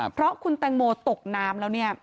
เพราะคุณแตงโมตกนามแล้ว